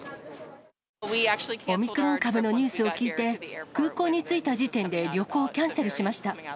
オミクロン株のニュースを聞いて、空港に着いた時点で旅行をキャンセルしました。